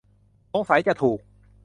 สงสัยจะถูก